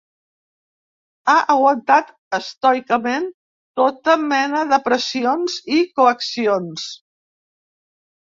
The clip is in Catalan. Ha aguantat estoicament tota mena de pressions i coaccions.